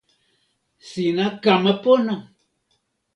sina kama pona!